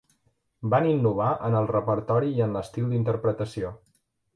Van innovar en el repertori i en l'estil d'interpretació.